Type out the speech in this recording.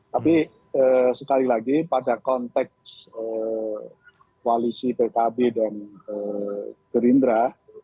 tapi sekali lagi pada konteks koalisi pkb dan gerindra